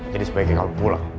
jadi sebaiknya kamu pulang